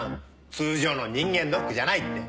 通常の人間ドックじゃないって。